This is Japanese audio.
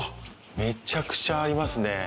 めちゃくちゃありますね。